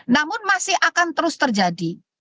namun masih akan terus terjadi